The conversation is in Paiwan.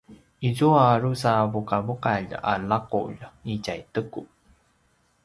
izua a drusa a vuqavuqalj a laqulj i tjaiteku